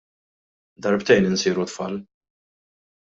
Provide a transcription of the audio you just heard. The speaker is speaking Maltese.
Darbtejn insiru tfal.